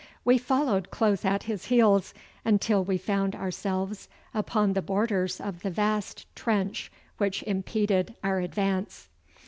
We followed close at his heels, until we found ourselves on the borders of the vast trench which impeded our advance.